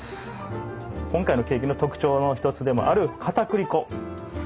今回のケーキの特徴の一つでもあるかたくり粉。